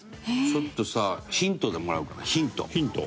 ちょっとさヒントでももらおうかなヒント。